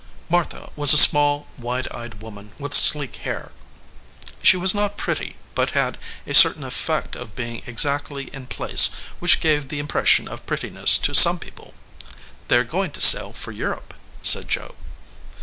Martha was a small, wide eyed woman with sleek hair. She was not pretty, but had a certain effect of being exactly in place which gave the im pression of prettiness to some people. "They are goin to sail for Europe," said Joe.